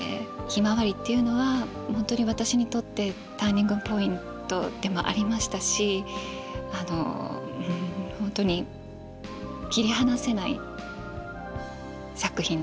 「ひまわり」っていうのは本当に私にとってターニングポイントでもありましたし本当に切り離せない作品です。